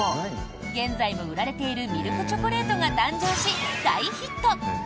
現在も売られているミルクチョコレートが誕生し大ヒット。